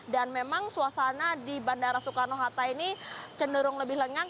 dan memang suasana di bandara soekarno hatta ini cenderung lebih lengang